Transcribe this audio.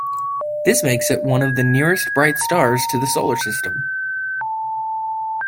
This makes it one of the nearest bright stars to the Solar System.